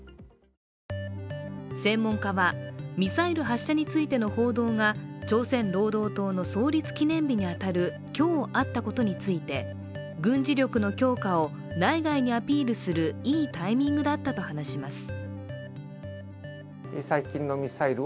専門家はミサイル発射についての報道が朝鮮労働党の創立記念日に当たる今日あったことについて、軍事力の強化を内外にアピールするいいタイミングだったと話します。